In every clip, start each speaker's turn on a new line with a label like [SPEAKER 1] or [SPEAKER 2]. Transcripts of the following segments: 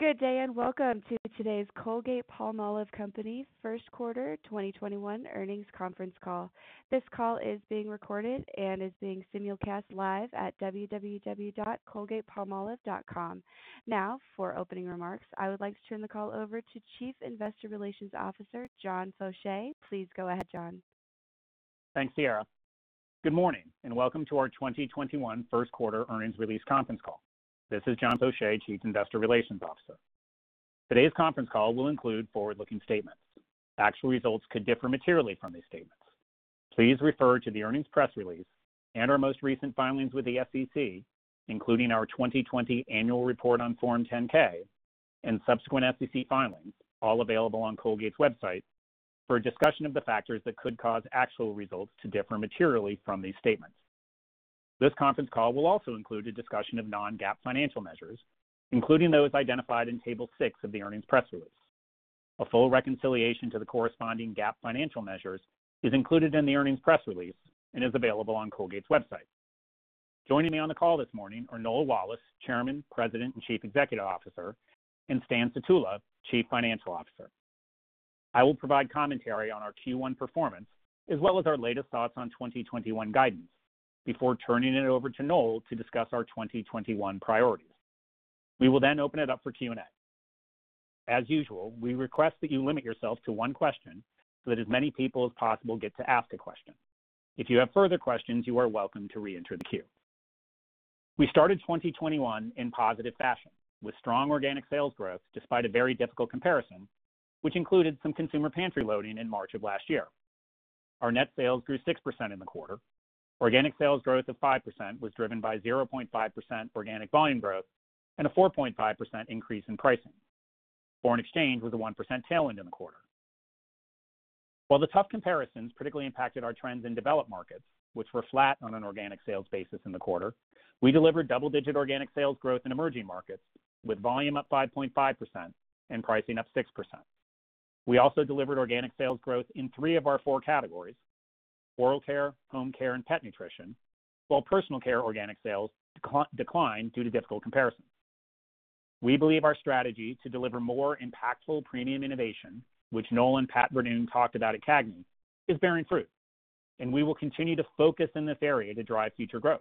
[SPEAKER 1] Good day. Welcome to today's Colgate-Palmolive Company First Quarter 2021 Earnings Conference Call. This call is being recorded and is being simulcast live at www.colgatepalmolive.com. Now for opening remarks, I would like to turn the call over to Chief Investor Relations Officer, John Faucher. Please go ahead, John.
[SPEAKER 2] Thanks, Sarah. Good morning, and welcome to our 2021 First Quarter Earnings Release Conference Call. This is John Faucher, Chief Investor Relations Officer. Today's conference call will include forward-looking statements. Actual results could differ materially from these statements. Please refer to the earnings press release and our most recent filings with the SEC, including our 2020 annual report on Form 10-K and subsequent SEC filings, all available on Colgate's website, for a discussion of the factors that could cause actual results to differ materially from these statements. This conference call will also include a discussion of non-GAAP financial measures, including those identified in table six of the earnings press release. A full reconciliation to the corresponding GAAP financial measures is included in the earnings press release and is available on Colgate's website. Joining me on the call this morning are Noel Wallace, Chairman, President, and Chief Executive Officer, and Stan Sutula, Chief Financial Officer. I will provide commentary on our Q1 performance, as well as our latest thoughts on 2021 guidance before turning it over to Noel to discuss our 2021 priorities. We will open it up for Q&A. As usual, we request that you limit yourself to one question so that as many people as possible get to ask a question. If you have further questions, you are welcome to reenter the queue. We started 2021 in positive fashion with strong organic sales growth despite a very difficult comparison, which included some consumer pantry loading in March of last year. Our net sales grew 6% in the quarter. Organic sales growth of 5% was driven by 0.5% organic volume growth and a 4.5% increase in pricing. Foreign exchange was a 1% tailwind in the quarter. While the tough comparisons particularly impacted our trends in developed markets, which were flat on an organic sales basis in the quarter, we delivered double-digit organic sales growth in emerging markets, with volume up 5.5% and pricing up 6%. We also delivered organic sales growth in three of our four categories, oral care, home care, and pet nutrition, while personal care organic sales declined due to difficult comparisons. We believe our strategy to deliver more impactful premium innovation, which Noel and Pat Verduin talked about at CAGNY, is bearing fruit, and we will continue to focus in this area to drive future growth.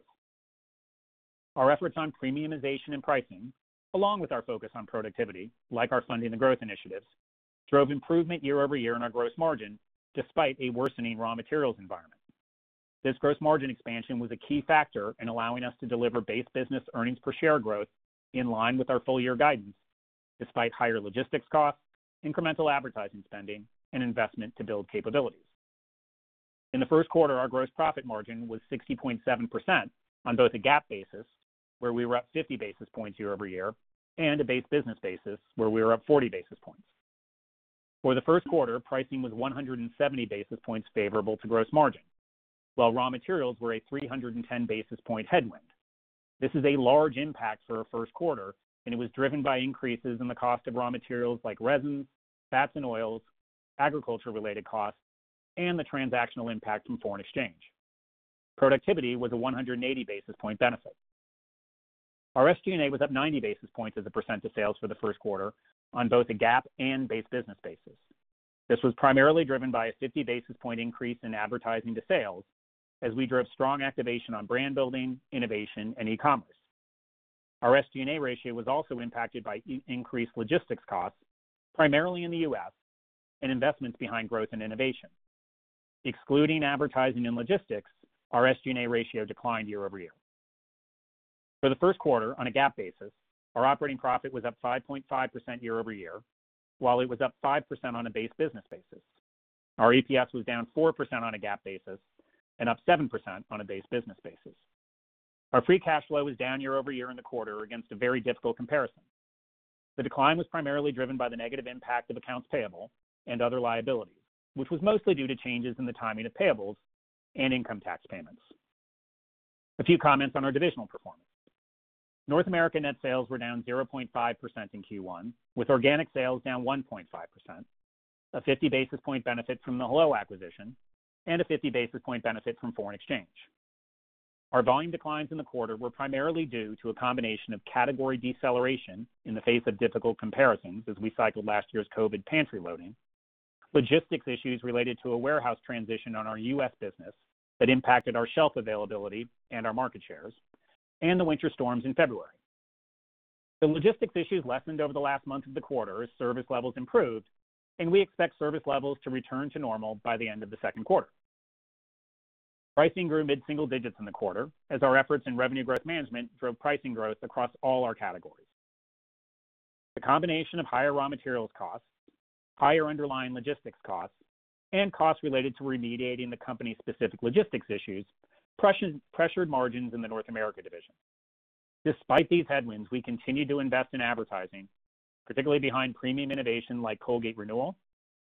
[SPEAKER 2] Our efforts on premiumization and pricing, along with our focus on productivity, like our Funding the Growth initiatives, drove improvement year-over-year in our gross margin despite a worsening raw materials environment. This gross margin expansion was a key factor in allowing us to deliver base business earnings per share growth in line with our full-year guidance despite higher logistics costs, incremental advertising spending, and investment to build capabilities. In the first quarter, our gross profit margin was 60.7% on both a GAAP basis, where we were up 50 basis points year-over-year, and a base business basis, where we were up 40 basis points. For the first quarter, pricing was 170 basis points favorable to gross margin, while raw materials were a 310 basis point headwind. This is a large impact for a first quarter. It was driven by increases in the cost of raw materials like resins, fats and oils, agriculture-related costs, and the transactional impact from foreign exchange. Productivity was a 180 basis point benefit. Our SG&A was up 90 basis points as a percent of sales for the first quarter on both a GAAP and base business basis. This was primarily driven by a 50 basis point increase in advertising to sales as we drove strong activation on brand building, innovation, and e-commerce. Our SG&A ratio was also impacted by increased logistics costs, primarily in the U.S., and investments behind growth and innovation. Excluding advertising and logistics, our SG&A ratio declined year-over-year. For the first quarter on a GAAP basis, our operating profit was up 5.5% year-over-year, while it was up 5% on a base business basis. Our EPS was down 4% on a GAAP basis and up 7% on a base business basis. Our free cash flow was down year-over-year in the quarter against a very difficult comparison. The decline was primarily driven by the negative impact of accounts payable and other liabilities, which was mostly due to changes in the timing of payables and income tax payments. A few comments on our divisional performance. North America net sales were down 0.5% in Q1, with organic sales down 1.5%, a 50 basis points benefit from the Hello acquisition, a 50 basis points benefit from foreign exchange. Our volume declines in the quarter were primarily due to a combination of category deceleration in the face of difficult comparisons as we cycled last year's COVID pantry loading, logistics issues related to a warehouse transition on our U.S. business that impacted our shelf availability and our market shares, and the winter storms in February. The logistics issues lessened over the last month of the quarter as service levels improved. We expect service levels to return to normal by the end of the second quarter. Pricing grew mid-single digits in the quarter as our efforts in revenue growth management drove pricing growth across all our categories. The combination of higher raw materials costs, higher underlying logistics costs, and costs related to remediating the company's specific logistics issues pressured margins in the North America division. Despite these headwinds, we continue to invest in advertising, particularly behind premium innovation like Colgate Optic White Renewal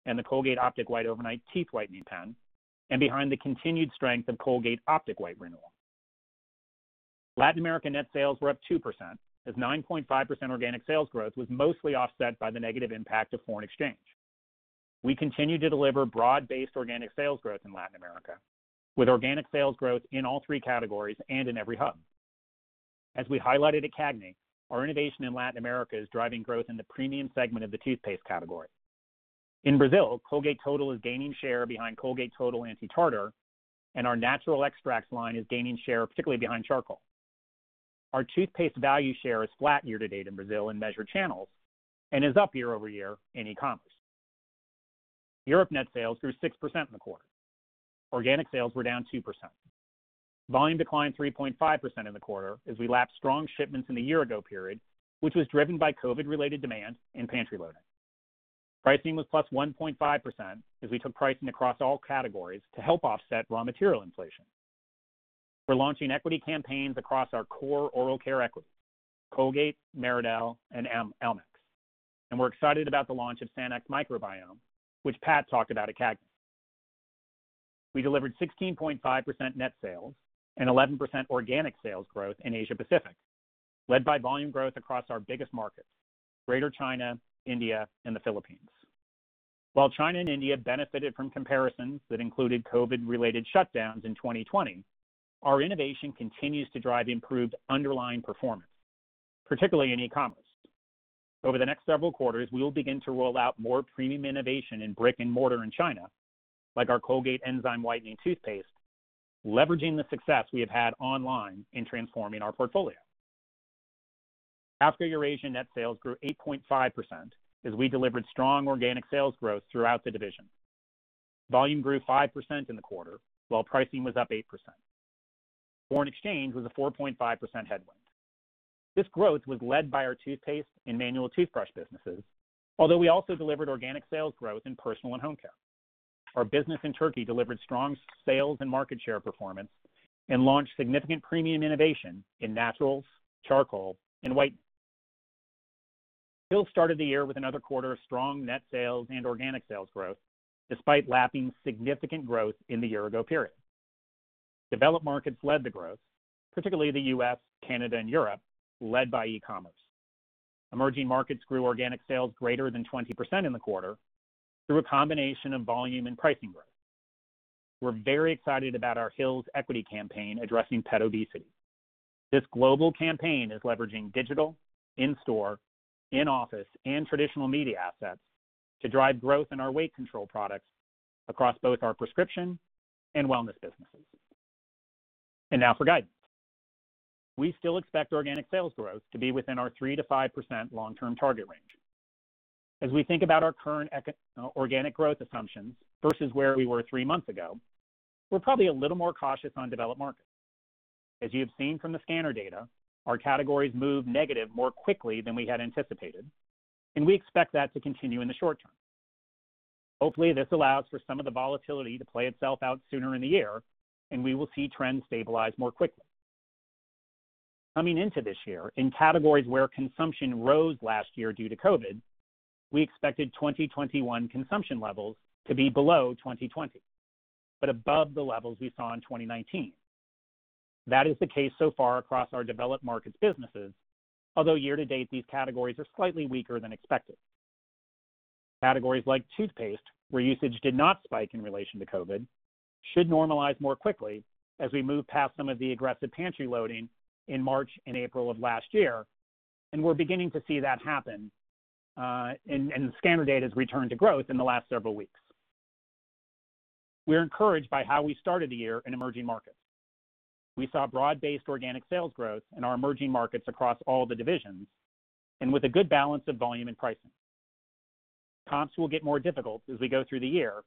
[SPEAKER 2] and the Colgate Optic White Overnight teeth whitening pen, and behind the continued strength of Colgate Optic White Renewal. Latin America net sales were up 2% as 9.5% organic sales growth was mostly offset by the negative impact of foreign exchange. We continue to deliver broad-based organic sales growth in Latin America, with organic sales growth in all three categories and in every hub. As we highlighted at CAGNY, our innovation in Latin America is driving growth in the premium segment of the toothpaste category. In Brazil, Colgate Total is gaining share behind Colgate Total Anti-Tartar, and our Natural Extracts line is gaining share particularly behind charcoal. Our toothpaste value share is flat year-to-date in Brazil in measured channels and is up year-over-year in e-commerce. Europe net sales grew 6% in the quarter. Organic sales were down 2%. Volume declined 3.5% in the quarter as we lapped strong shipments in the year-ago period, which was driven by COVID-related demand and pantry loading. Pricing was +1.5% as we took pricing across all categories to help offset raw material inflation. We're launching equity campaigns across our core oral care equities, Colgate, Meridol, and Elmex. We're excited about the launch of Sanex Microbiome, which Pat talked about at CAGNY. We delivered 16.5% net sales and 11% organic sales growth in Asia Pacific, led by volume growth across our biggest markets, Greater China, India, and the Philippines. While China and India benefited from comparisons that included COVID-related shutdowns in 2020, our innovation continues to drive improved underlying performance, particularly in e-commerce. Over the next several quarters, we will begin to roll out more premium innovation in brick-and-mortar in China, like our Colgate Enzyme Whitening Toothpaste, leveraging the success we have had online in transforming our portfolio. Africa/Eurasia net sales grew 8.5% as we delivered strong organic sales growth throughout the division. Volume grew 5% in the quarter, while pricing was up 8%. Foreign exchange was a 4.5% headwind. This growth was led by our toothpaste and manual toothbrush businesses, although we also delivered organic sales growth in personal and home care. Our business in Turkey delivered strong sales and market share performance and launched significant premium innovation in naturals, charcoal, and whitening. Hill's started the year with another quarter of strong net sales and organic sales growth, despite lapping significant growth in the year-ago period. Developed markets led the growth, particularly the U.S., Canada, and Europe, led by e-commerce. Emerging markets grew organic sales greater than 20% in the quarter through a combination of volume and pricing growth. We're very excited about our Hill's equity campaign addressing pet obesity. This global campaign is leveraging digital, in-store, in-office, and traditional media assets to drive growth in our weight control products across both our prescription and wellness businesses. Now for guidance. We still expect organic sales growth to be within our 3%-5% long-term target range. As we think about our current organic growth assumptions versus where we were three months ago, we're probably a little more cautious on developed markets. As you have seen from the scanner data, our categories moved negative more quickly than we had anticipated, and we expect that to continue in the short term. Hopefully, this allows for some of the volatility to play itself out sooner in the year, and we will see trends stabilize more quickly. Coming into this year, in categories where consumption rose last year due to COVID, we expected 2021 consumption levels to be below 2020, but above the levels we saw in 2019. That is the case so far across our developed markets businesses, although year-to-date, these categories are slightly weaker than expected. Categories like toothpaste, where usage did not spike in relation to COVID, should normalize more quickly as we move past some of the aggressive pantry loading in March and April of last year, and we're beginning to see that happen. Scanner data has returned to growth in the last several weeks. We're encouraged by how we started the year in emerging markets. We saw broad-based organic sales growth in our emerging markets across all the divisions, with a good balance of volume and pricing. Comps will get more difficult as we go through the year.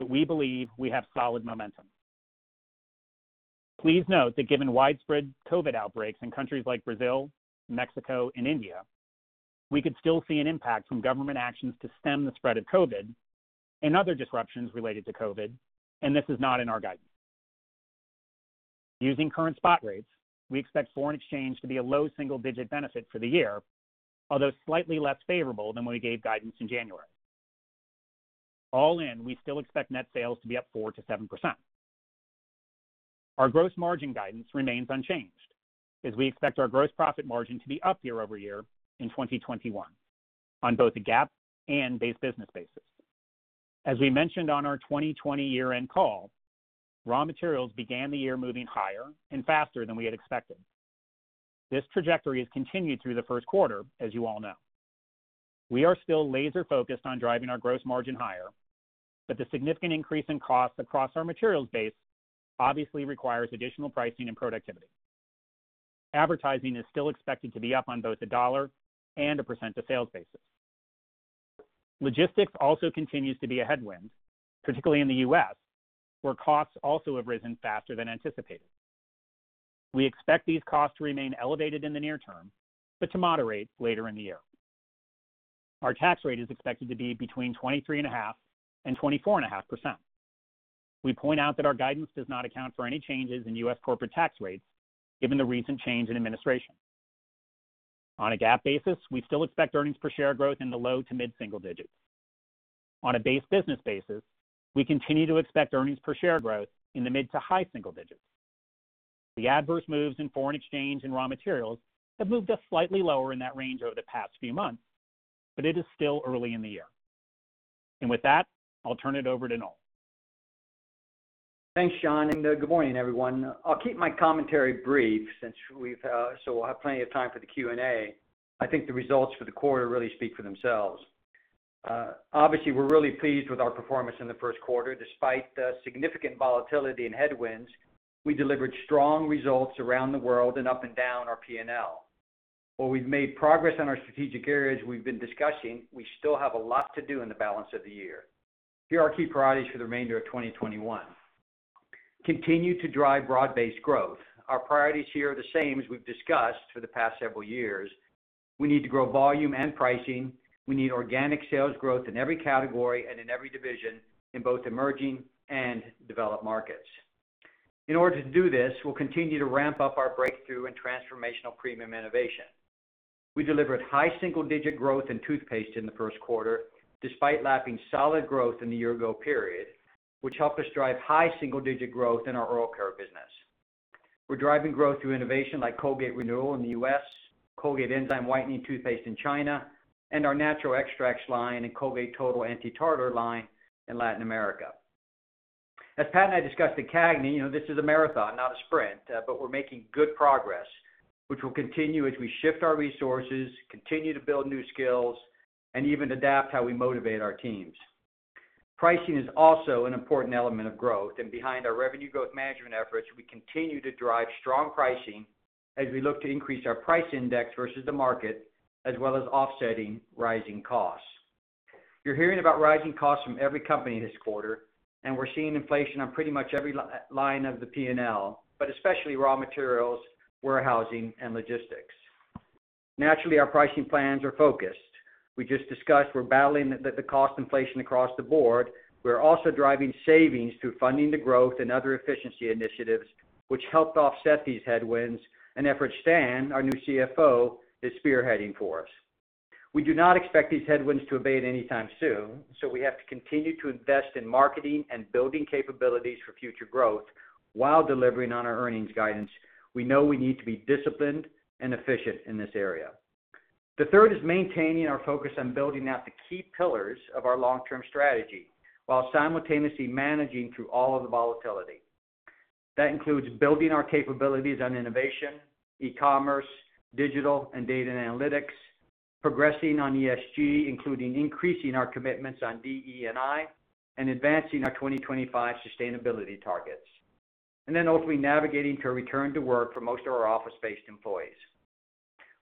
[SPEAKER 2] We believe we have solid momentum. Please note that given widespread COVID outbreaks in countries like Brazil, Mexico, and India, we could still see an impact from government actions to stem the spread of COVID and other disruptions related to COVID, and this is not in our guidance. Using current spot rates, we expect foreign exchange to be a low single-digit benefit for the year, although slightly less favorable than when we gave guidance in January. All in, we still expect net sales to be up 4%-7%. Our gross margin guidance remains unchanged as we expect our gross profit margin to be up year-over-year in 2021 on both the GAAP and base business basis. As we mentioned on our 2020 year-end call, raw materials began the year moving higher and faster than we had expected. This trajectory has continued through the first quarter, as you all know. The significant increase in costs across our materials base obviously requires additional pricing and productivity. Advertising is still expected to be up on both the dollar and a percent of sales basis. Logistics also continues to be a headwind, particularly in the U.S., where costs also have risen faster than anticipated. We expect these costs to remain elevated in the near term but to moderate later in the year. Our tax rate is expected to be between 23.5% and 24.5%. We point out that our guidance does not account for any changes in U.S. corporate tax rates given the recent change in administration. On a GAAP basis, we still expect earnings per share growth in the low to mid-single digits. On a base business basis, we continue to expect earnings per share growth in the mid to high single digits. The adverse moves in foreign exchange and raw materials have moved us slightly lower in that range over the past few months, but it is still early in the year. With that, I'll turn it over to Noel.
[SPEAKER 3] Thanks, John. Good morning, everyone. I'll keep my commentary brief so we'll have plenty of time for the Q&A. I think the results for the quarter really speak for themselves. Obviously, we're really pleased with our performance in the first quarter. Despite the significant volatility and headwinds, we delivered strong results around the world and up and down our P&L. While we've made progress on our strategic areas we've been discussing, we still have a lot to do in the balance of the year. Here are our key priorities for the remainder of 2021. Continue to drive broad-based growth. Our priorities here are the same as we've discussed for the past several years. We need to grow volume and pricing. We need organic sales growth in every category and in every division, in both emerging and developed markets. In order to do this, we'll continue to ramp up our breakthrough and transformational premium innovation. We delivered high single-digit growth in toothpaste in the first quarter, despite lapping solid growth in the year-ago period, which helped us drive high single-digit growth in our oral care business. We're driving growth through innovation like Colgate Renewal in the U.S., Colgate Enzyme Whitening Toothpaste in China, and our Natural Extracts line and Colgate Total Anti-Tartar line in Latin America. As Pat and I discussed at CAGNY, this is a marathon, not a sprint, but we're making good progress, which will continue as we shift our resources, continue to build new skills, and even adapt how we motivate our teams. Pricing is also an important element of growth, and behind our revenue growth management efforts, we continue to drive strong pricing as we look to increase our price index versus the market, as well as offsetting rising costs. You're hearing about rising costs from every company this quarter, and we're seeing inflation on pretty much every line of the P&L, but especially raw materials, warehousing, and logistics. Naturally, our pricing plans are focused. We just discussed we're battling the cost inflation across the board. We're also driving savings through funding the growth and other efficiency initiatives, which helped offset these headwinds and efforts Stan, our new CFO, is spearheading for us. We do not expect these headwinds to abate anytime soon, so we have to continue to invest in marketing and building capabilities for future growth while delivering on our earnings guidance. We know we need to be disciplined and efficient in this area. The third is maintaining our focus on building out the key pillars of our long-term strategy while simultaneously managing through all of the volatility. That includes building our capabilities on innovation, e-commerce, digital, and data and analytics, progressing on ESG, including increasing our commitments on DE&I, and advancing our 2025 sustainability targets, and then ultimately navigating to a return to work for most of our office-based employees.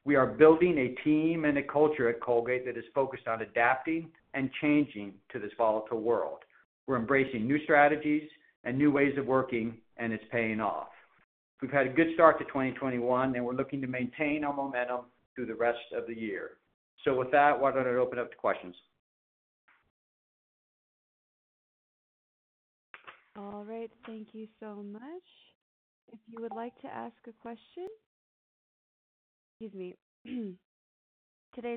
[SPEAKER 3] We are building a team and a culture at Colgate that is focused on adapting and changing to this volatile world. We're embracing new strategies and new ways of working, and it's paying off. We've had a good start to 2021, and we're looking to maintain our momentum through the rest of the year. With that, why don't I open up to questions?
[SPEAKER 1] All right. Thank you so much. Today's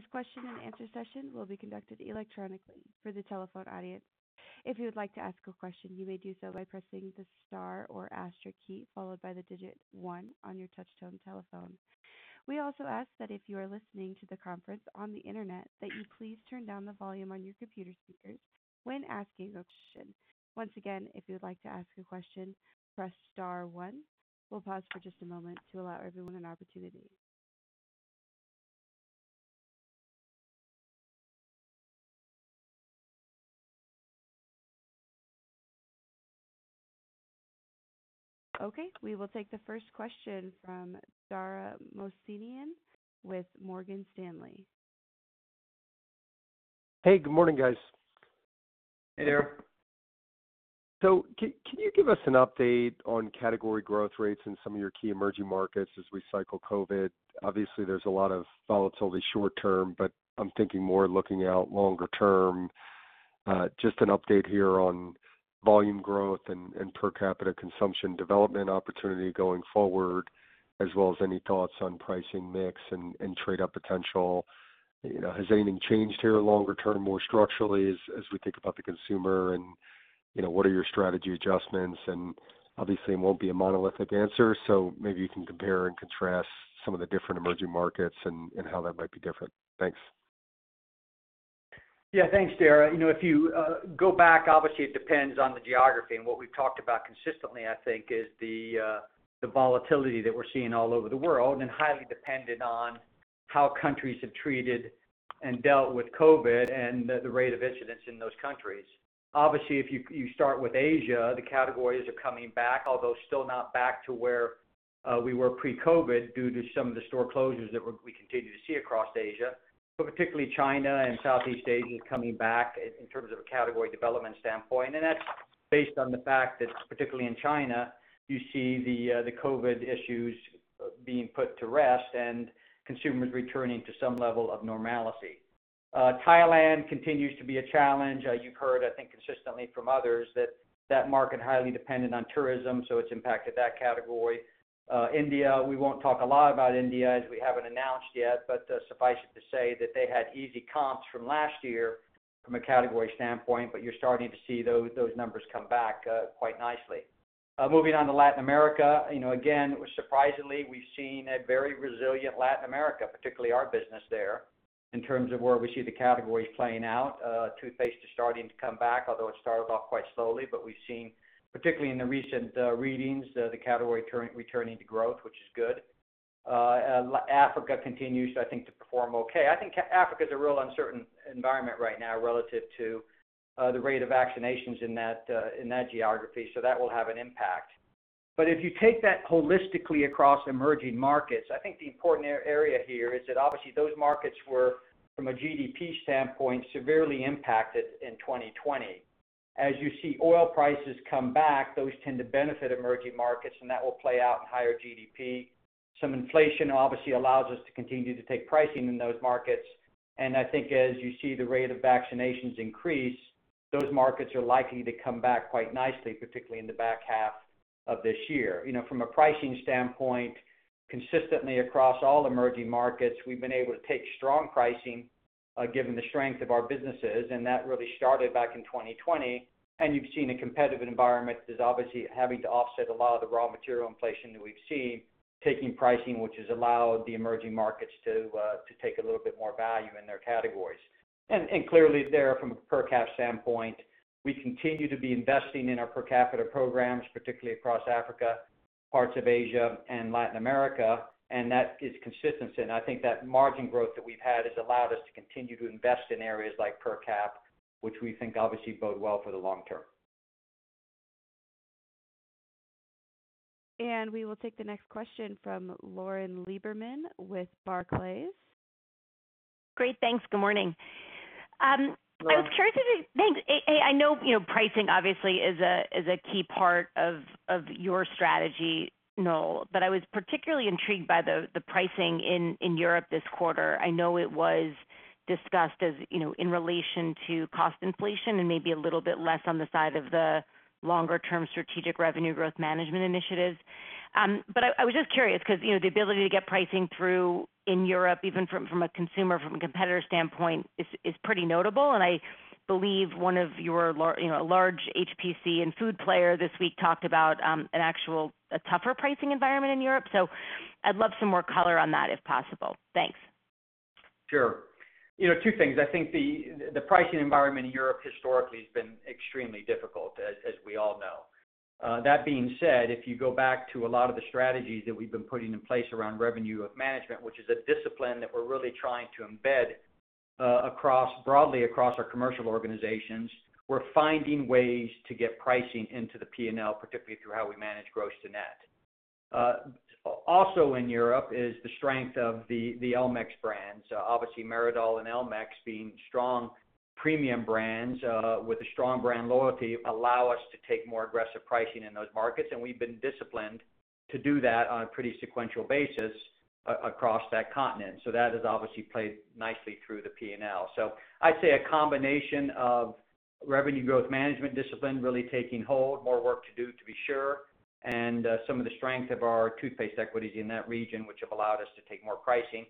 [SPEAKER 1] question-and-answer session will be conducted electronically for the telephone audience. If you would like to ask a question, you may do so by pressing the star or asterisk key, followed by the digit one on your touch-tone telephone. We also ask that if you are listening to the conference on the Internet, that you please turn down the volume on your computer speakers when asking a question. Okay, we will take the first question from Dara Mohsenian with Morgan Stanley.
[SPEAKER 4] Hey, good morning, guys.
[SPEAKER 3] Hey there.
[SPEAKER 4] Can you give us an update on category growth rates in some of your key emerging markets as we cycle COVID? Obviously, there's a lot of volatility short term, but I'm thinking more looking out longer term. Just an update here on volume growth and per capita consumption development opportunity going forward, as well as any thoughts on pricing mix and trade-up potential. Has anything changed here longer term, more structurally as we think about the consumer, and what are your strategy adjustments? Obviously it won't be a monolithic answer, so maybe you can compare and contrast some of the different emerging markets and how that might be different. Thanks.
[SPEAKER 3] Yeah. Thanks, Dara. If you go back, obviously it depends on the geography. What we've talked about consistently, I think, is the volatility that we're seeing all over the world and highly dependent on how countries have treated and dealt with COVID and the rate of incidence in those countries. Obviously, if you start with Asia, the categories are coming back, although still not back to where we were pre-COVID due to some of the store closures that we continue to see across Asia, but particularly China and Southeast Asia is coming back in terms of a category development standpoint. That's based on the fact that particularly in China, you see the COVID issues being put to rest and consumers returning to some level of normality. Thailand continues to be a challenge. You've heard, I think, consistently from others that that market highly dependent on tourism, so it's impacted that category. India, we won't talk a lot about India, as we haven't announced yet, but suffice it to say that they had easy comps from last year from a category standpoint, but you're starting to see those numbers come back quite nicely. Moving on to Latin America. Again, surprisingly, we've seen a very resilient Latin America, particularly our business there. In terms of where we see the categories playing out, toothpaste is starting to come back, although it started off quite slowly. We've seen, particularly in the recent readings, the category returning to growth, which is good. Africa continues, I think, to perform okay. I think Africa is a real uncertain environment right now relative to the rate of vaccinations in that geography, so that will have an impact. If you take that holistically across emerging markets, I think the important area here is that obviously those markets were, from a GDP standpoint, severely impacted in 2020. As you see oil prices come back, those tend to benefit emerging markets, and that will play out in higher GDP. Some inflation obviously allows us to continue to take pricing in those markets, and I think as you see the rate of vaccinations increase, those markets are likely to come back quite nicely, particularly in the back half of this year. From a pricing standpoint, consistently across all emerging markets, we've been able to take strong pricing, given the strength of our businesses, and that really started back in 2020. You've seen a competitive environment that is obviously having to offset a lot of the raw material inflation that we've seen, taking pricing, which has allowed the emerging markets to take a little bit more value in their categories. Clearly there, from a per capita standpoint, we continue to be investing in our per capita programs, particularly across Africa, parts of Asia, and Latin America, and that is consistent. I think that margin growth that we've had has allowed us to continue to invest in areas like per capita, which we think obviously bode well for the long term.
[SPEAKER 1] We will take the next question from Lauren Lieberman with Barclays.
[SPEAKER 5] Great. Thanks. Good morning. Thanks. I know pricing obviously is a key part of your strategy, Noel. I was particularly intrigued by the pricing in Europe this quarter. I know it was discussed in relation to cost inflation and maybe a little bit less on the side of the longer-term strategic revenue growth management initiatives. I was just curious because the ability to get pricing through in Europe, even from a consumer, from a competitor standpoint, is pretty notable, and I believe a large HPC and food player this week talked about an actual tougher pricing environment in Europe. I'd love some more color on that if possible. Thanks.
[SPEAKER 3] Sure. Two things. I think the pricing environment in Europe historically has been extremely difficult, as we all know. That being said, if you go back to a lot of the strategies that we've been putting in place around revenue management, which is a discipline that we're really trying to embed broadly across our commercial organizations, we're finding ways to get pricing into the P&L, particularly through how we manage gross to net. Also in Europe is the strength of the Elmex brands. Obviously, Meridol and Elmex being strong premium brands with a strong brand loyalty allow us to take more aggressive pricing in those markets, and we've been disciplined to do that on a pretty sequential basis across that continent. That has obviously played nicely through the P&L. I'd say a combination of revenue growth management discipline really taking hold, more work to do, to be sure, and some of the strength of our toothpaste equities in that region, which have allowed us to take more pricing.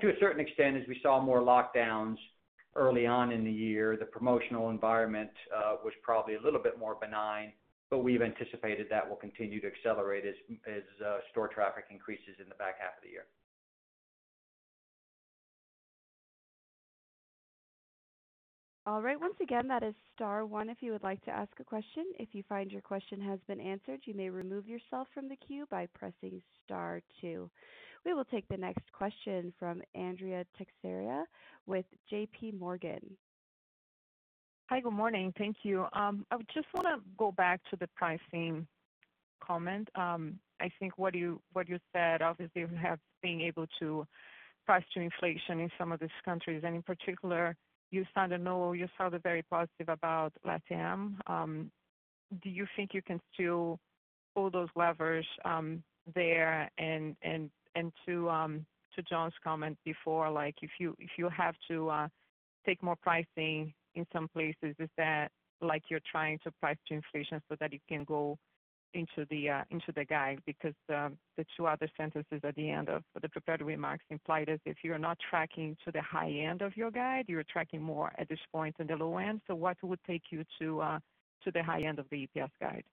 [SPEAKER 3] To a certain extent, as we saw more lockdowns early on in the year, the promotional environment was probably a little bit more benign, but we've anticipated that will continue to accelerate as store traffic increases in the back half of the year.
[SPEAKER 1] All right. Once again, that is star one if you would like to ask a question. If you find your question has been answered, you may remove yourself from the queue by pressing star two. We will take the next question from Andrea Teixeira with JPMorgan.
[SPEAKER 6] Hi. Good morning. Thank you. I just want to go back to the pricing comment. I think what you said, obviously, we have been able to price to inflation in some of these countries. In particular, you sounded, Noel, very positive about LatAm. Do you think you can still pull those levers there? To John's comment before, if you have to take more pricing in some places, is that like you're trying to price to inflation so that it can go into the guide? The two other sentences at the end of the prepared remarks implied is if you're not tracking to the high end of your guide, you're tracking more at this point in the low end. What would take you to the high end of the EPS guide?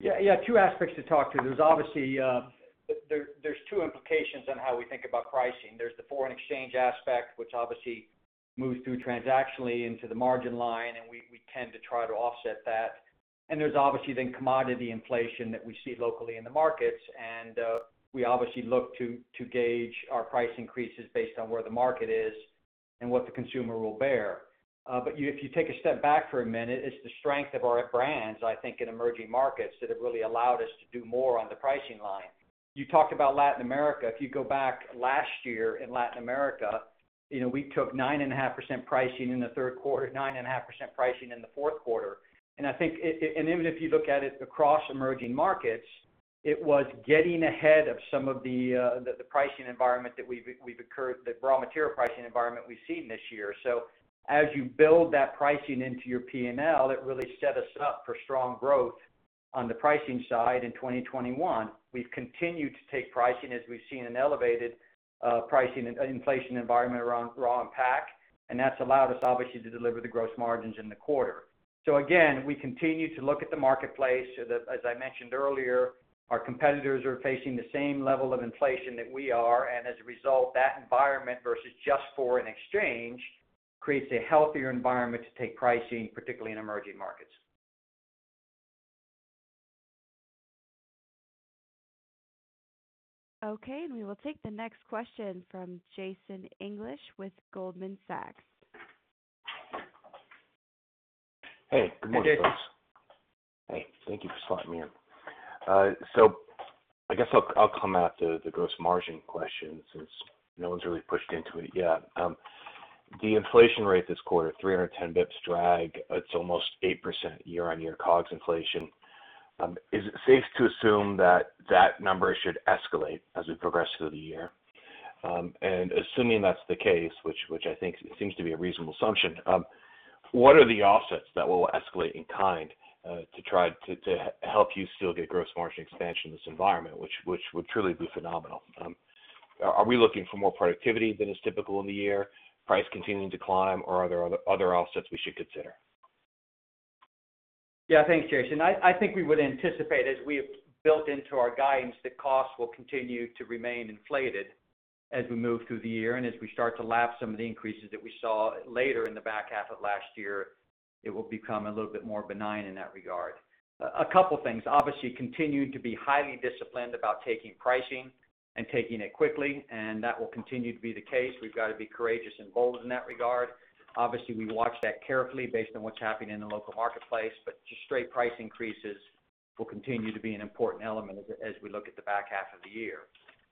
[SPEAKER 3] Yeah. Two aspects to talk to. There's two implications on how we think about pricing. There's the foreign exchange aspect, which obviously moves through transactionally into the margin line, and we tend to try to offset that. There's obviously then commodity inflation that we see locally in the markets, and we obviously look to gauge our price increases based on where the market is and what the consumer will bear. If you take a step back for a minute, it's the strength of our brands, I think, in emerging markets that have really allowed us to do more on the pricing line. You talked about Latin America. If you go back last year in Latin America, we took 9.5% pricing in the third quarter, 9.5% pricing in the fourth quarter. Even if you look at it across emerging markets, it was getting ahead of some of the pricing environment that we've incurred, the raw material pricing environment we've seen this year. As you build that pricing into your P&L, it really set us up for strong growth on the pricing side in 2021. We've continued to take pricing as we've seen an elevated pricing inflation environment around raw and pack, and that's allowed us, obviously, to deliver the gross margins in the quarter. Again, we continue to look at the marketplace. As I mentioned earlier, our competitors are facing the same level of inflation that we are, and as a result, that environment versus just foreign exchange, creates a healthier environment to take pricing, particularly in emerging markets.
[SPEAKER 1] Okay, we will take the next question from Jason English with Goldman Sachs.
[SPEAKER 7] Hey, good morning, folks.
[SPEAKER 3] Hey, Jason.
[SPEAKER 7] Hey, thank you for slotting me in. I guess I'll come at the gross margin question since no one's really pushed into it yet. The inflation rate this quarter, 310 basis points drag. It's almost 8% year-over-year COGS inflation. Is it safe to assume that that number should escalate as we progress through the year? Assuming that's the case, which I think seems to be a reasonable assumption, what are the offsets that will escalate in kind, to try to help you still get gross margin expansion in this environment? Which would truly be phenomenal. Are we looking for more productivity than is typical in the year, price continuing to climb, or are there other offsets we should consider?
[SPEAKER 3] Yeah, thanks, Jason. I think we would anticipate, as we have built into our guidance, that costs will continue to remain inflated as we move through the year. As we start to lap some of the increases that we saw later in the back half of last year, it will become a little bit more benign in that regard. A couple things. Obviously, continuing to be highly disciplined about taking pricing and taking it quickly, that will continue to be the case. We've got to be courageous and bold in that regard. Obviously, we watch that carefully based on what's happening in the local marketplace, just straight price increases will continue to be an important element as we look at the back half of the year.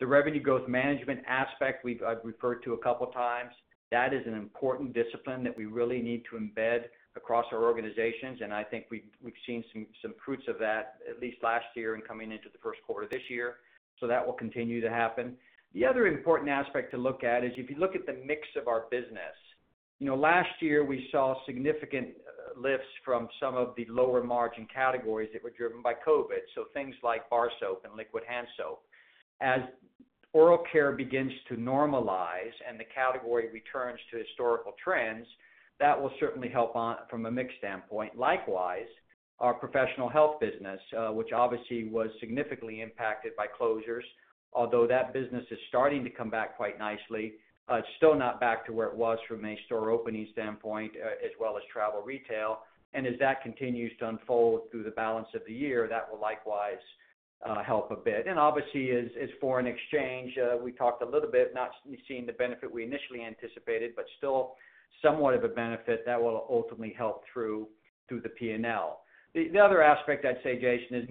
[SPEAKER 3] The revenue growth management aspect we've referred to a couple times, that is an important discipline that we really need to embed across our organizations, and I think we've seen some fruits of that, at least last year and coming into the first quarter this year. That will continue to happen. The other important aspect to look at is if you look at the mix of our business, last year, we saw significant lifts from some of the lower-margin categories that were driven by COVID, so things like bar soap and liquid hand soap. As oral care begins to normalize and the category returns to historical trends, that will certainly help from a mix standpoint. Likewise, our professional health business, which obviously was significantly impacted by closures, although that business is starting to come back quite nicely, it's still not back to where it was from a store opening standpoint, as well as travel retail. As that continues to unfold through the balance of the year, that will likewise help a bit. Obviously, as foreign exchange, we talked a little bit, not seeing the benefit we initially anticipated, but still somewhat of a benefit that will ultimately help through the P&L. The other aspect, I'd say, Jason, is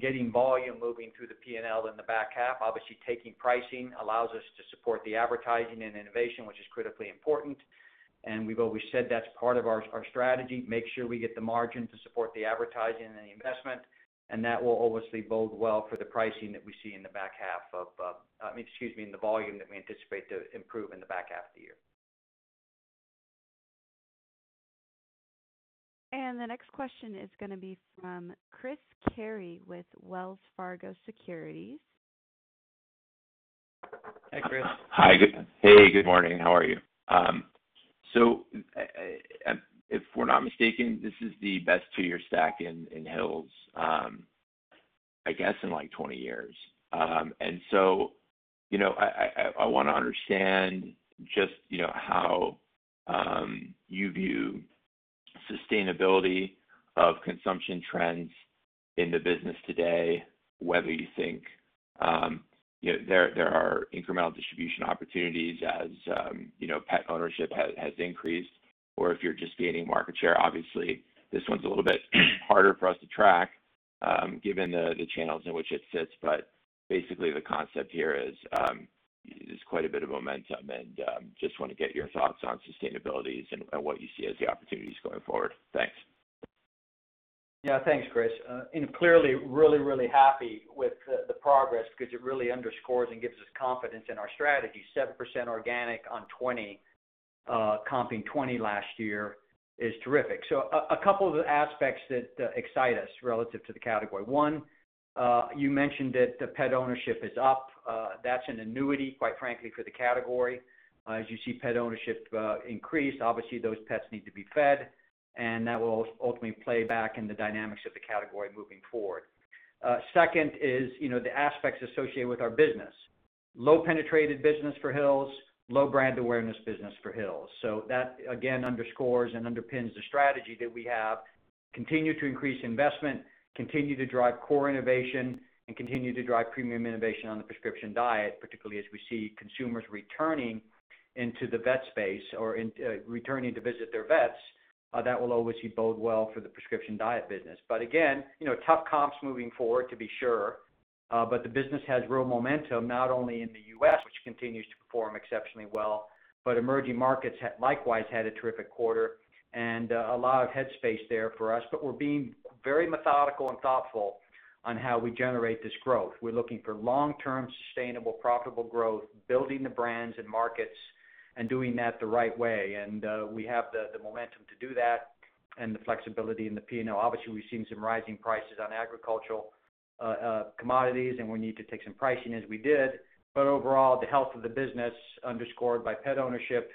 [SPEAKER 3] getting volume moving through the P&L in the back half. Obviously, taking pricing allows us to support the advertising and innovation, which is critically important. We've always said that's part of our strategy. Make sure we get the margin to support the advertising and the investment, and that will obviously bode well for the pricing that we see in the volume that we anticipate to improve in the back half of the year.
[SPEAKER 1] The next question is going to be from Chris Carey with Wells Fargo Securities.
[SPEAKER 3] Hi, Chris.
[SPEAKER 8] Hey, good morning. How are you? If we're not mistaken, this is the best two-year stack in Hill's, I guess in, like, 20 years. I want to understand just how you view sustainability of consumption trends in the business today, whether you think there are incremental distribution opportunities as pet ownership has increased, or if you're just gaining market share. Obviously, this one's a little bit harder for us to track given the channels in which it sits. Basically, the concept here is quite a bit of momentum, and just want to get your thoughts on sustainability and what you see as the opportunities going forward. Thanks.
[SPEAKER 3] Yeah. Thanks, Chris. Clearly, really, really happy with the progress because it really underscores and gives us confidence in our strategy. 7% organic on 2020, comping 2020 last year is terrific. A couple of aspects that excite us relative to the category. One, you mentioned that the pet ownership is up. That's an annuity, quite frankly, for the category. As you see pet ownership increase, obviously those pets need to be fed, and that will ultimately play back in the dynamics of the category moving forward. Second is the aspects associated with our business. Low-penetrated business for Hill's, low brand awareness business for Hill's. That, again, underscores and underpins the strategy that we have. Continue to increase investment, continue to drive core innovation, continue to drive premium innovation on the Prescription Diet, particularly as we see consumers returning into the vet space or returning to visit their vets. That will obviously bode well for the Prescription Diet business. Again, tough comps moving forward, to be sure. The business has real momentum, not only in the U.S., which continues to perform exceptionally well, but emerging markets likewise had a terrific quarter. A lot of head space there for us. We're being very methodical and thoughtful on how we generate this growth. We're looking for long-term sustainable, profitable growth, building the brands and markets and doing that the right way. We have the momentum to do that and the flexibility in the P&L. Obviously, we've seen some rising prices on agricultural commodities, and we need to take some pricing as we did. Overall, the health of the business underscored by pet ownership,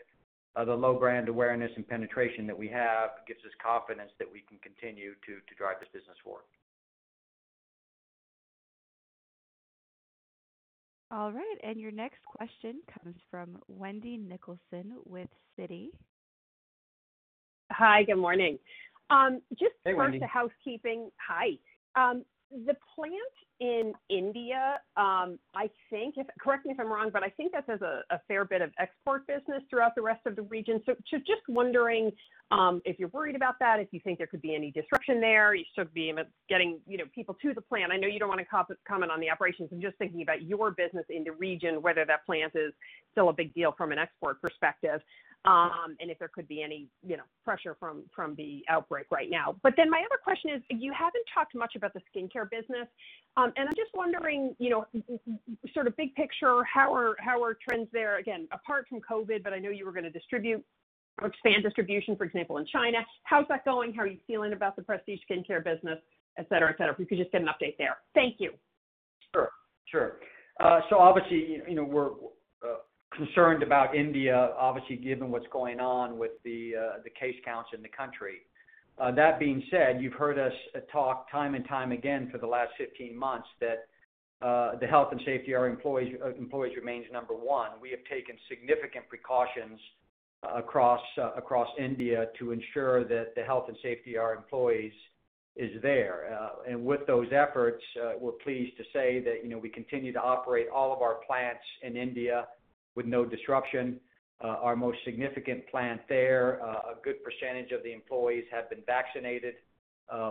[SPEAKER 3] the low brand awareness and penetration that we have gives us confidence that we can continue to drive this business forward.
[SPEAKER 1] All right, your next question comes from Wendy Nicholson with Citi.
[SPEAKER 9] Hi, good morning.
[SPEAKER 3] Hey, Wendy.
[SPEAKER 9] First a housekeeping. The plant in India, correct me if I'm wrong, I think this has a fair bit of export business throughout the rest of the region. Just wondering if you're worried about that, if you think there could be any disruption there. You should be getting people to the plant. I know you don't want to comment on the operations. I'm just thinking about your business in the region, whether that plant is still a big deal from an export perspective, and if there could be any pressure from the outbreak right now. My other question is, you haven't talked much about the skincare business. I'm just wondering, sort of big picture, how are trends there? Again, apart from COVID, I know you were going to expand distribution, for example, in China. How's that going? How are you feeling about the prestige skincare business, et cetera? If you could just give an update there. Thank you.
[SPEAKER 3] Sure. Obviously, we're concerned about India, obviously, given what's going on with the case counts in the country. That being said, you've heard us talk time and time again for the last 15 months that the health and safety of our employees remains number one. We have taken significant precautions across India to ensure that the health and safety of our employees is there. With those efforts, we're pleased to say that we continue to operate all of our plants in India with no disruption. Our most significant plant there, a good percentage of the employees have been vaccinated,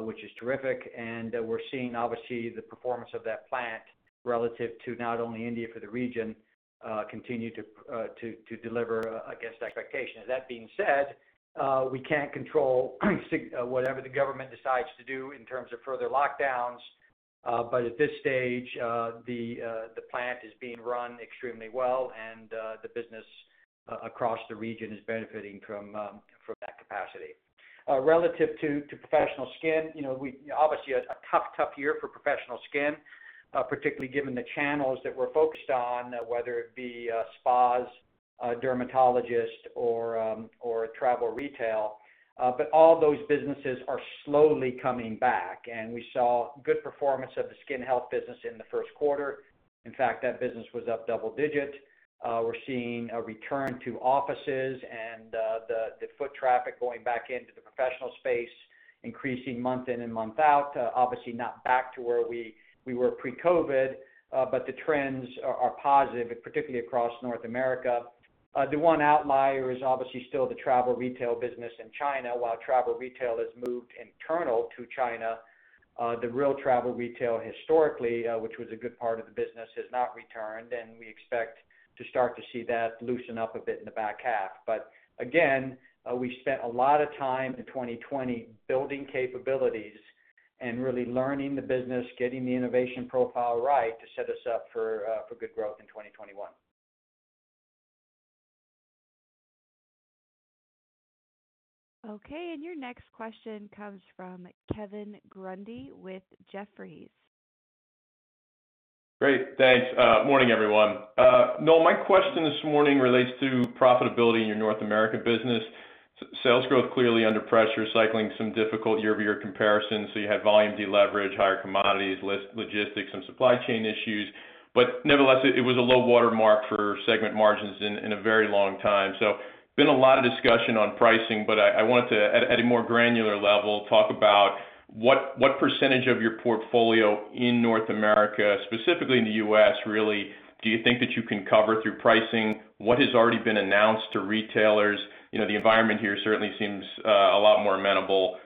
[SPEAKER 3] which is terrific. We're seeing, obviously, the performance of that plant relative to not only India for the region, continue to deliver against expectation. That being said, we can't control whatever the government decides to do in terms of further lockdowns. At this stage, the plant is being run extremely well, and the business across the region is benefiting from that capacity. Relative to professional skin, obviously a tough year for Professional skin, particularly given the channels that we're focused on, whether it be spas, dermatologists, or travel retail. All those businesses are slowly coming back. We saw good performance of the skin health business in the first quarter. In fact, that business was up double-digit. We're seeing a return to offices and the foot traffic going back into the professional space increasing month in and month out. Obviously not back to where we were pre-COVID, but the trends are positive, particularly across North America. The one outlier is obviously still the travel retail business in China. While travel retail has moved internal to China, the real travel retail historically, which was a good part of the business, has not returned, and we expect to start to see that loosen up a bit in the back half. Again, we spent a lot of time in 2020 building capabilities and really learning the business, getting the innovation profile right to set us up for good growth in 2021.
[SPEAKER 1] Okay, your next question comes from Kevin Grundy with Jefferies.
[SPEAKER 10] Great. Thanks. Morning, everyone. Noel, my question this morning relates to profitability in your North America business. Sales growth clearly under pressure, cycling some difficult year-over-year comparisons. You had volume de-leverage, higher commodities, logistics and supply chain issues. Nevertheless, it was a low water mark for segment margins in a very long time. Been a lot of discussion on pricing, but I wanted to, at a more granular level, talk about what percentage of your portfolio in North America, specifically in the U.S., really do you think that you can cover through pricing what has already been announced to retailers? The environment here certainly seems a lot more amenable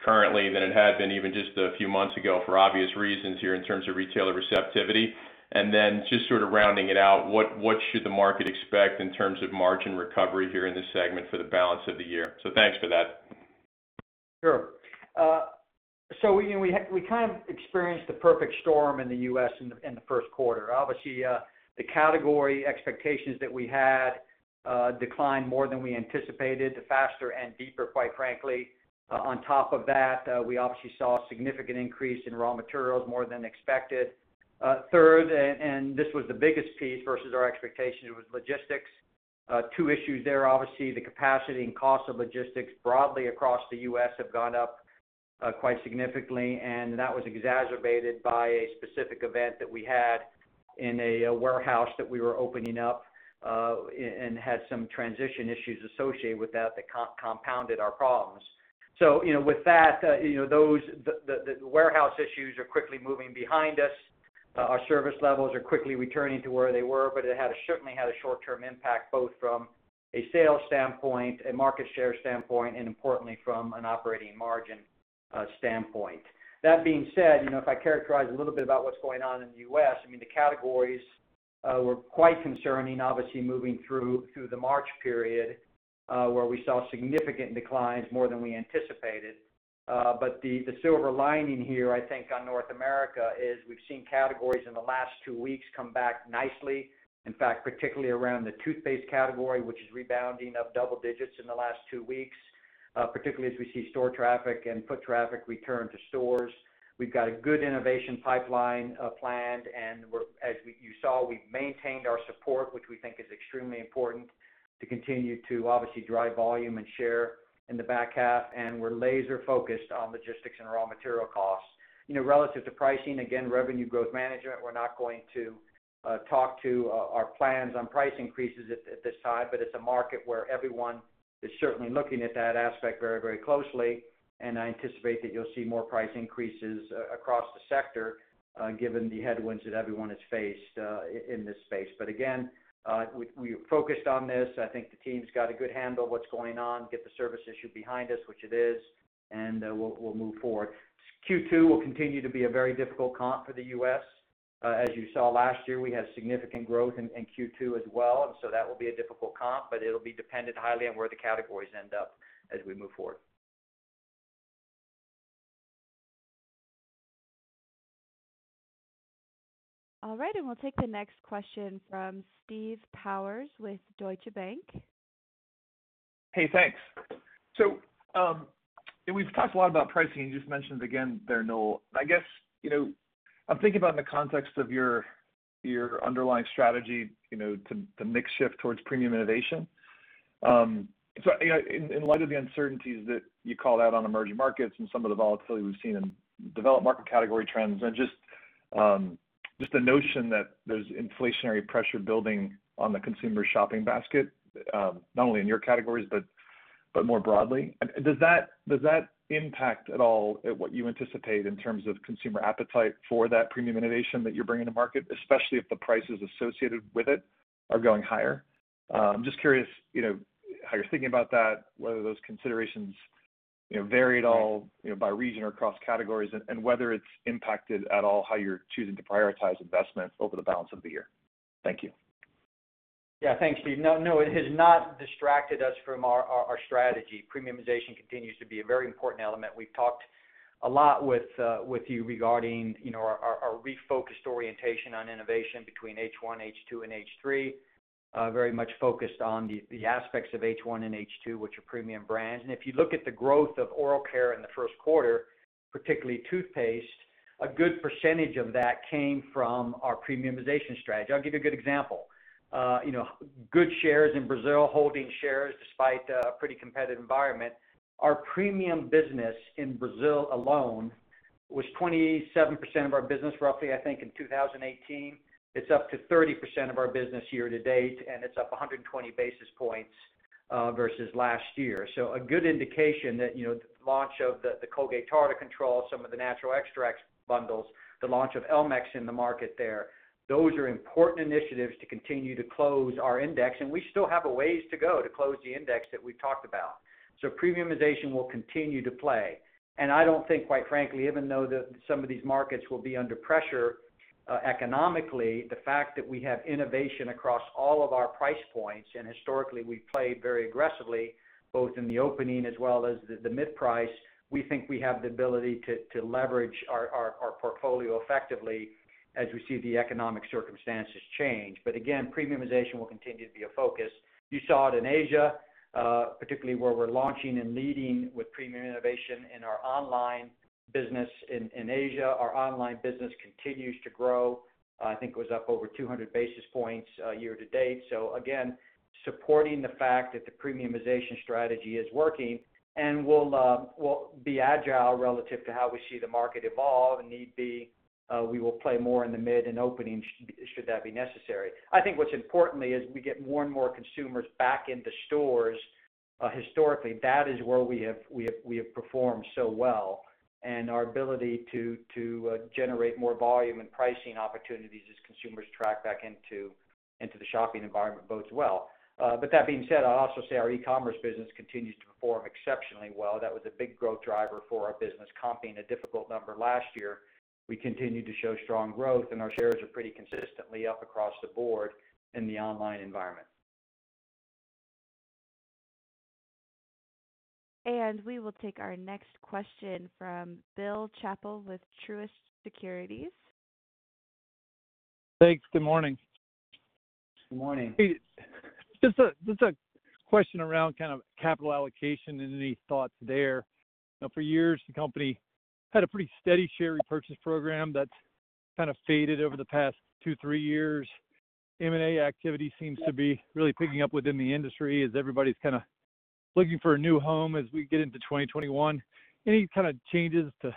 [SPEAKER 10] currently than it had been even just a few months ago for obvious reasons here in terms of retailer receptivity. Just sort of rounding it out, what should the market expect in terms of margin recovery here in this segment for the balance of the year? Thanks for that.
[SPEAKER 3] Sure. We kind of experienced the perfect storm in the U.S. in the first quarter. Obviously, the category expectations that we had declined more than we anticipated, faster and deeper, quite frankly. On top of that, we obviously saw a significant increase in raw materials, more than expected. Third, this was the biggest piece versus our expectation, it was logistics. Two issues there. Obviously, the capacity and cost of logistics broadly across the U.S. have gone up quite significantly, and that was exacerbated by a specific event that we had in a warehouse that we were opening up, and had some transition issues associated with that compounded our problems. With that, the warehouse issues are quickly moving behind us. Our service levels are quickly returning to where they were, but it certainly had a short-term impact, both from a sales standpoint, a market share standpoint, and importantly, from an operating margin standpoint. That being said, if I characterize a little bit about what's going on in the U.S., I mean, the categories were quite concerning, obviously, moving through the March period, where we saw significant declines more than we anticipated. The silver lining here, I think on North America is we've seen categories in the last two weeks come back nicely. In fact, particularly around the toothpaste category, which is rebounding up double digits in the last two weeks, particularly as we see store traffic and foot traffic return to stores. We've got a good innovation pipeline planned, and as you saw, we've maintained our support, which we think is extremely important to continue to obviously drive volume and share in the back half, and we're laser-focused on logistics and raw material costs. Relative to pricing, again, revenue growth management, we're not going to talk to our plans on price increases at this time. It's a market where everyone is certainly looking at that aspect very closely, and I anticipate that you'll see more price increases across the sector given the headwinds that everyone has faced in this space. Again, we are focused on this. I think the team's got a good handle on what's going on, get the service issue behind us, which it is, and we'll move forward. Q2 will continue to be a very difficult comp for the U.S. As you saw last year, we had significant growth in Q2 as well. That will be a difficult comp, but it'll be dependent highly on where the categories end up as we move forward.
[SPEAKER 1] All right, we'll take the next question from Steve Powers with Deutsche Bank.
[SPEAKER 11] Hey, thanks. We've talked a lot about pricing. You just mentioned again there, Noel. I'm thinking about in the context of your underlying strategy, the mix shift towards premium innovation. In light of the uncertainties that you called out on emerging markets and some of the volatility we've seen in developed market category trends, and just the notion that there's inflationary pressure building on the consumer shopping basket, not only in your categories but more broadly. Does that impact at all what you anticipate in terms of consumer appetite for that premium innovation that you're bringing to market, especially if the prices associated with it are going higher? I'm just curious how you're thinking about that, whether those considerations vary at all by region or across categories, and whether it's impacted at all how you're choosing to prioritize investments over the balance of the year. Thank you.
[SPEAKER 3] Thanks, Steve. No, it has not distracted us from our strategy. Premiumization continues to be a very important element. We've talked a lot with you regarding our refocused orientation on innovation between H1, H2, and H3. Very much focused on the aspects of H1 and H2, which are premium brands. If you look at the growth of oral care in the first quarter, particularly toothpaste, a good percentage of that came from our premiumization strategy. I'll give you a good example. Good shares in Brazil, holding shares despite a pretty competitive environment. Our premium business in Brazil alone was 27% of our business, roughly, I think, in 2018. It's up to 30% of our business year to date, and it's up 120 basis points versus last year. A good indication that the launch of the Colgate Tartar Control, some of the Colgate Natural Extracts bundles, the launch of Elmex in the market there, those are important initiatives to continue to close our index, and we still have a ways to go to close the index that we talked about. I don't think, quite frankly, even though some of these markets will be under pressure economically, the fact that we have innovation across all of our price points, and historically we've played very aggressively, both in the opening as well as the mid-price. We think we have the ability to leverage our portfolio effectively as we see the economic circumstances change. Again, premiumization will continue to be a focus. You saw it in Asia, particularly where we're launching and leading with premium innovation in our online business in Asia. Our online business continues to grow. I think it was up over 200 basis points year to date. Again, supporting the fact that the premiumization strategy is working, and we'll be agile relative to how we see the market evolve. Need be, we will play more in the mid and opening, should that be necessary. I think what's important is we get more and more consumers back into stores. Historically, that is where we have performed so well, our ability to generate more volume and pricing opportunities as consumers track back into the shopping environment bodes well. That being said, I'd also say our e-commerce business continues to perform exceptionally well. That was a big growth driver for our business, comping a difficult number last year. We continued to show strong growth, our shares are pretty consistently up across the board in the online environment.
[SPEAKER 1] We will take our next question from Bill Chappell with Truist Securities.
[SPEAKER 12] Thanks. Good morning.
[SPEAKER 3] Good morning.
[SPEAKER 12] Just a question around capital allocation, and any thoughts there. For years, the company had a pretty steady share repurchase program that's faded over the past two, three years. M&A activity seems to be really picking up within the industry as everybody's looking for a new home as we get into 2021. Any changes to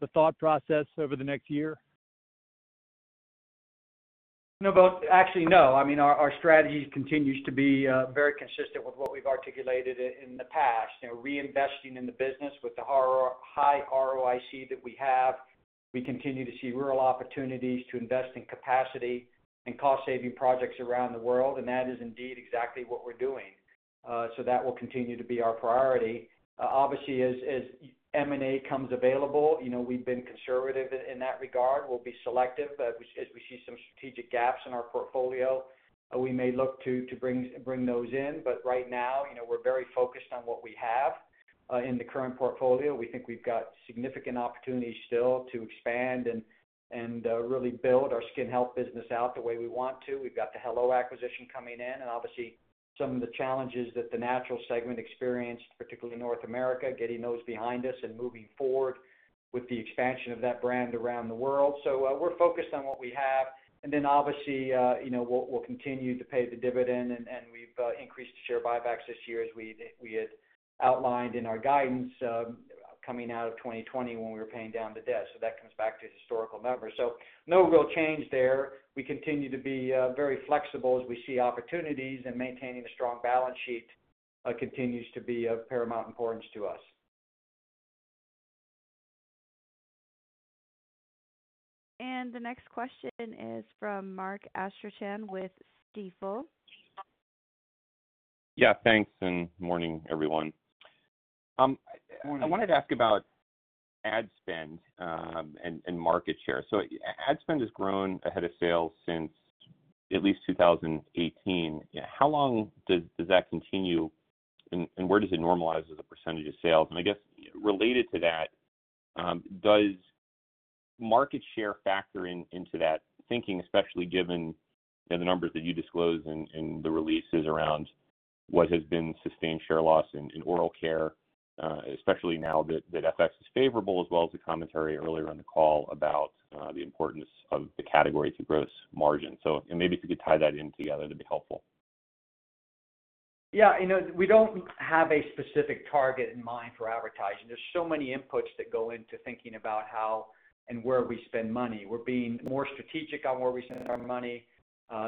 [SPEAKER 12] the thought process over the next year?
[SPEAKER 3] No. Actually, no. Our strategy continues to be very consistent with what we've articulated in the past. Reinvesting in the business with the high ROIC that we have. We continue to see real opportunities to invest in capacity and cost-saving projects around the world, and that is indeed exactly what we're doing. That will continue to be our priority. Obviously, as M&A comes available, we've been conservative in that regard. We'll be selective, as we see some strategic gaps in our portfolio, we may look to bring those in. Right now, we're very focused on what we have in the current portfolio. We think we've got significant opportunities still to expand and really build our skin health business out the way we want to. We've got the Hello acquisition coming in, obviously some of the challenges that the natural segment experienced, particularly North America, getting those behind us and moving forward with the expansion of that brand around the world. We're focused on what we have, then obviously, we'll continue to pay the dividend, we've increased the share buybacks this year as we had outlined in our guidance coming out of 2020 when we were paying down the debt. That comes back to historical numbers. No real change there. We continue to be very flexible as we see opportunities, maintaining a strong balance sheet continues to be of paramount importance to us.
[SPEAKER 1] The next question is from Mark Astrachan with Stifel.
[SPEAKER 13] Yeah, thanks, and morning, everyone.
[SPEAKER 3] Morning.
[SPEAKER 13] I wanted to ask about ad spend and market share. Ad spend has grown ahead of sales since at least 2018. How long does that continue, and where does it normalize as a percentage of sales? I guess related to that, does market share factor into that thinking, especially given the numbers that you disclose in the releases around what has been sustained share loss in oral care, especially now that FX is favorable, as well as the commentary earlier in the call about the importance of the category to gross margin. Maybe if you could tie that in together, that'd be helpful.
[SPEAKER 3] We don't have a specific target in mind for advertising. There's so many inputs that go into thinking about how and where we spend money. We're being more strategic on where we spend our money.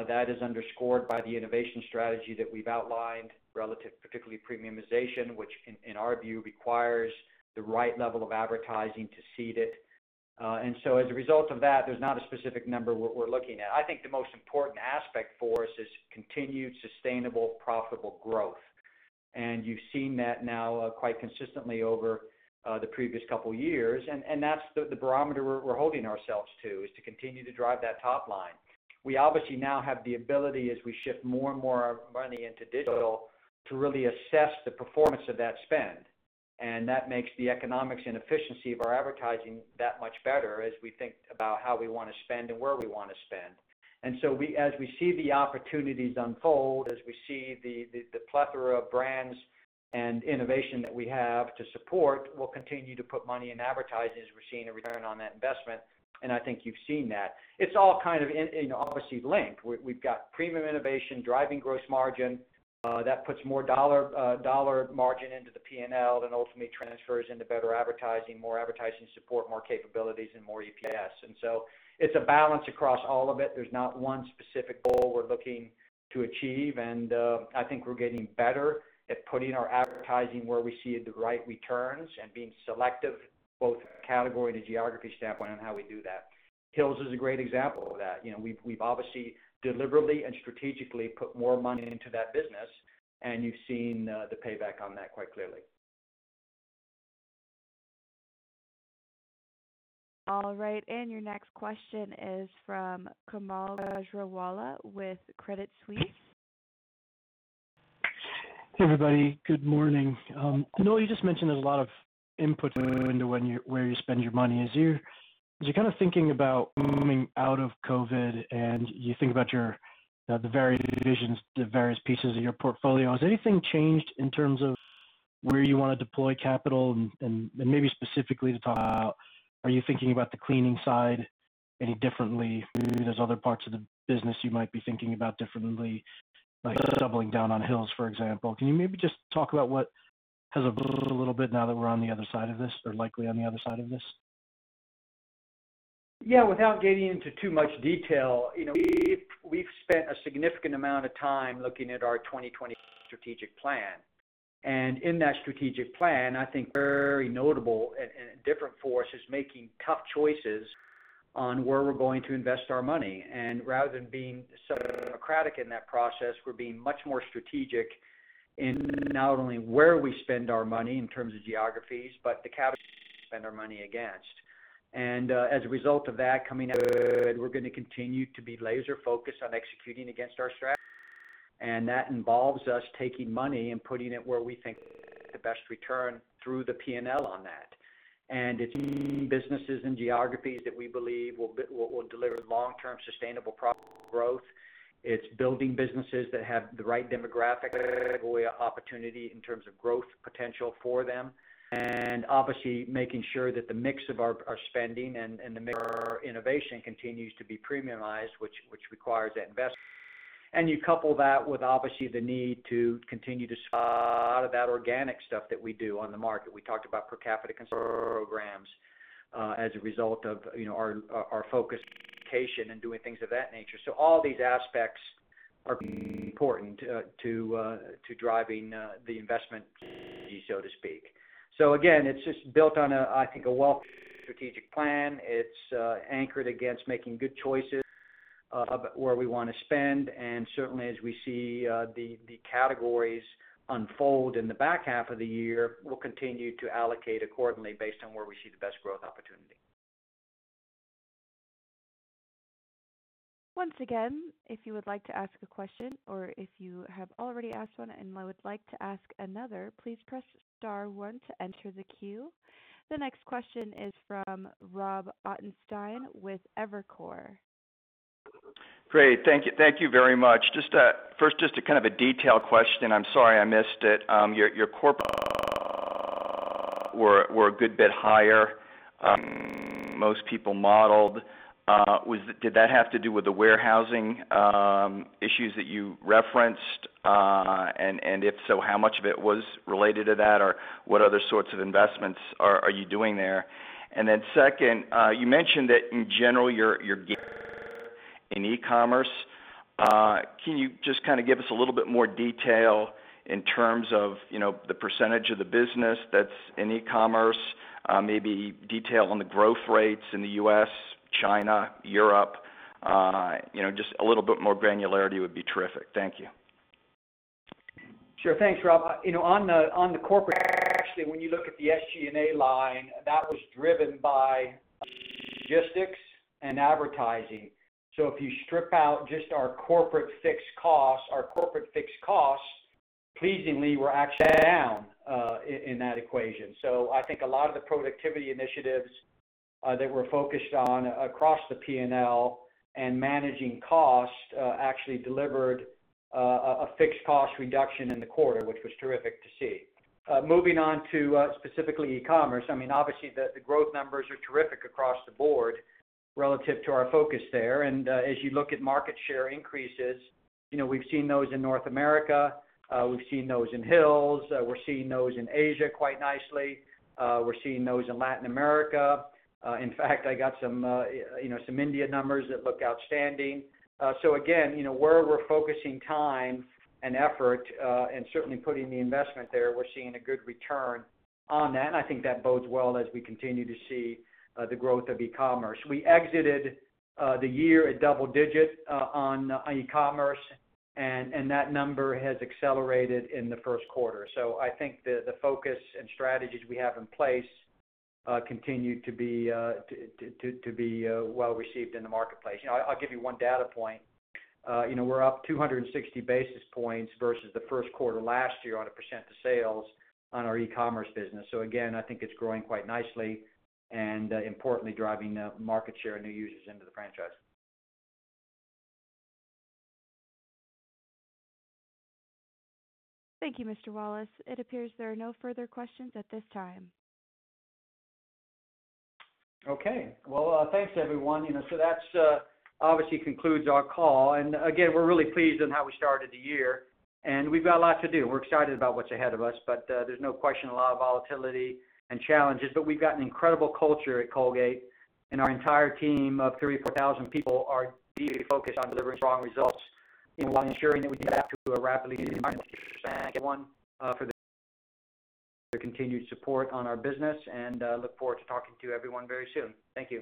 [SPEAKER 3] That is underscored by the innovation strategy that we've outlined relative, particularly premiumization, which, in our view, requires the right level of advertising to seed it. As a result of that, there's not a specific number we're looking at. I think the most important aspect for us is continued sustainable, profitable growth. You've seen that now quite consistently over the previous couple of years, and that's the barometer we're holding ourselves to, is to continue to drive that top line. We obviously now have the ability as we shift more and more of our money into digital to really assess the performance of that spend, that makes the economics and efficiency of our advertising that much better as we think about how we want to spend and where we want to spend. As we see the opportunities unfold, as we see the plethora of brands and innovation that we have to support, we'll continue to put money in advertising as we're seeing a return on that investment, and I think you've seen that. It's all kind of obviously linked. We've got premium innovation driving gross margin. That puts more dollar margin into the P&L that ultimately transfers into better advertising, more advertising support, more capabilities, and more EPS. It's a balance across all of it. There's not one specific goal we're looking to achieve, and I think we're getting better at putting our advertising where we see the right returns and being selective, both category and a geography standpoint on how we do that. Hill's is a great example of that. We've obviously deliberately and strategically put more money into that business, and you've seen the payback on that quite clearly.
[SPEAKER 1] All right, your next question is from Kaumil Gajrawala with Credit Suisse.
[SPEAKER 14] Hey, everybody. Good morning. Noel, you just mentioned there's a lot of inputs into where you spend your money. As you're kind of thinking about moving out of COVID, and you think about the various pieces of your portfolio, has anything changed in terms of where you want to deploy capital? Maybe specifically to talk about, are you thinking about the cleaning side any differently? There's other parts of the business you might be thinking about differently, like doubling down on Hill's, for example. Can you maybe just talk about what has evolved a little bit now that we're on the other side of this, or likely on the other side of this?
[SPEAKER 3] Yeah, without getting into too much detail, we've spent a significant amount of time looking at our 2025 strategic plan. In that strategic plan, I think very notable and different for us is making tough choices on where we're going to invest our money. Rather than being so democratic in that process, we're being much more strategic in not only where we spend our money in terms of geographies, but the categories we spend our money against. As a result of that coming out, we're going to continue to be laser-focused on executing against our strategy, and that involves us taking money and putting it where we think the best return through the P&L on that. It's in businesses and geographies that we believe will deliver long-term sustainable profitable growth. It's building businesses that have the right demographic opportunity in terms of growth potential for them, obviously making sure that the mix of our spending and the mix of our innovation continues to be premiumized, which requires that investment. You couple that with obviously the need to continue to a lot of that organic stuff that we do on the market. We talked about per capita consumer programs as a result of our focus, communication, and doing things of that nature. All these aspects are important to driving the investment strategy, so to speak. Again, it's just built on, I think, a well-thought strategic plan. It's anchored against making good choices of where we want to spend, certainly as we see the categories unfold in the back half of the year, we'll continue to allocate accordingly based on where we see the best growth opportunity.
[SPEAKER 1] Once again, if you would like to ask a question or if you have already asked one and would like to ask another, please press star one to enter the queue. The next question is from Rob Ottenstein with Evercore.
[SPEAKER 15] Great. Thank you very much. First, just a detail question. I'm sorry I missed it. Your corporate were a good bit higher than most people modeled. Did that have to do with the warehousing issues that you referenced? If so, how much of it was related to that, or what other sorts of investments are you doing there? Second, you mentioned that in general, you're in e-commerce. Can you just give us a little bit more detail in terms of the percentage of the business that's in e-commerce? Maybe detail on the growth rates in the U.S., China, Europe. Just a little bit more granularity would be terrific. Thank you.
[SPEAKER 3] Sure. Thanks, Rob. On the corporate, actually, when you look at the SG&A line, that was driven by logistics and advertising. If you strip out just our corporate fixed costs, pleasingly, we're actually down in that equation. I think a lot of the productivity initiatives that we're focused on across the P&L and managing cost, actually delivered a fixed cost reduction in the quarter, which was terrific to see. Moving on to specifically e-commerce, obviously, the growth numbers are terrific across the board relative to our focus there. As you look at market share increases, we've seen those in North America, we've seen those in Hill's. We're seeing those in Asia quite nicely. We're seeing those in Latin America. In fact, I got some India numbers that look outstanding. Again, where we're focusing time and effort, and certainly putting the investment there, we're seeing a good return on that. I think that bodes well as we continue to see the growth of e-commerce. We exited the year at double-digit on e-commerce, and that number has accelerated in the first quarter. I think the focus and strategies we have in place continue to be well received in the marketplace. I'll give you one data point. We're up 260 basis points versus the first quarter last year on a percent to sales on our e-commerce business. Again, I think it's growing quite nicely and importantly, driving market share and new users into the franchise.
[SPEAKER 1] Thank you, Mr. Wallace. It appears there are no further questions at this time.
[SPEAKER 3] Okay. Well, thanks everyone. That obviously concludes our call. Again, we're really pleased on how we started the year, and we've got a lot to do. We're excited about what's ahead of us, but there's no question, a lot of volatility and challenges. We've got an incredible culture at Colgate-Palmolive, and our entire team of 34,000 people are deeply focused on delivering strong results while ensuring that we adapt to a rapidly changing environment. Thank everyone for their continued support on our business, and look forward to talking to everyone very soon. Thank you.